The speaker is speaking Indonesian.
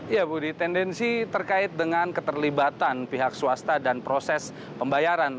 ya budi tendensi terkait dengan keterlibatan pihak swasta dan proses pembayaran